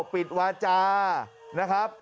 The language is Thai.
ปิดวาจานะครับ